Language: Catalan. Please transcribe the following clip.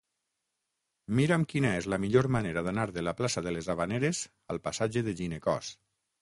Mira'm quina és la millor manera d'anar de la plaça de les Havaneres al passatge de Ginecòs.